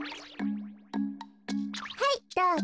はいどうぞ。